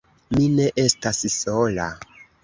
Mi ne estas sola.